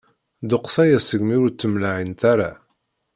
Ddeqs aya segmi ur ttemlaɛint ara.